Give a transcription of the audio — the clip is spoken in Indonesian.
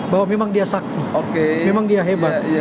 bahwa memang dia sakti memang dia hebat